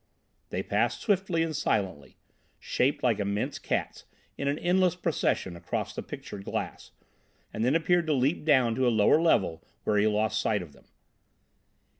They passed swiftly and silently, shaped like immense cats, in an endless procession across the pictured glass, and then appeared to leap down to a lower level where he lost sight of them.